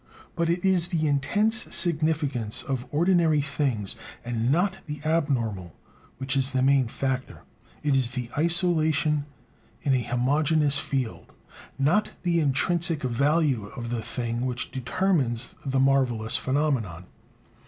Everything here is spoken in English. But it is the intense significance of ordinary things, and not the abnormal, which is the main factor; it is the isolation in a homogeneous field, not the intrinsic value of the thing, which determines the marvelous phenomenon.